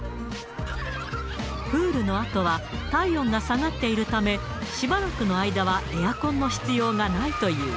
プールのあとは、体温が下がっているため、しばらくの間はエアコンの必要がないという。